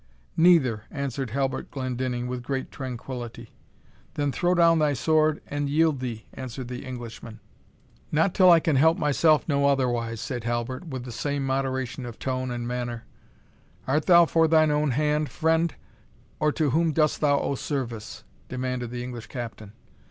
"Neither," answered Halbert Glendinning, with great tranquillity. "Then throw down thy sword and yield thee," answered the Englishman. "Not till I can help myself no otherwise," said Halbert, with the same moderation of tone and manner. "Art thou for thine own hand, friend, or to whom dost thou owe service?" demanded the English Captain.